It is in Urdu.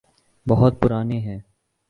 بہت پرانے ہیں۔